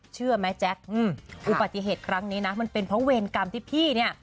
เชื่อไหมแจ๊คอุบัติเหตุครั้งนี้นะมันเป็นเพราะเวรกรรมที่พี่เนี่ย